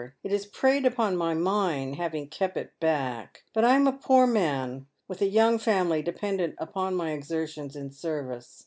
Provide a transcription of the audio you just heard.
It has preyed upon my mind bavin' kep' it back ; but I am a pore man, witii a young family dependent upon my exertions in service.